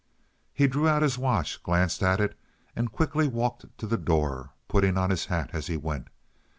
He drew out his watch, glanced at it, and quickly walked to the door, putting on his hat as he went.